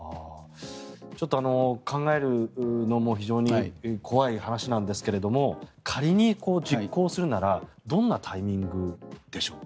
ちょっと考えるのも非常に怖い話なんですが仮に実行するならどんなタイミングでしょう？